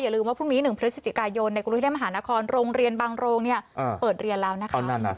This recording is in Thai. ลืมว่าพรุ่งนี้๑พฤศจิกายนในกรุงเทพมหานครโรงเรียนบางโรงเปิดเรียนแล้วนะคะ